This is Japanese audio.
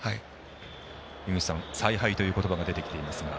井口さん采配という言葉が出てきていますが。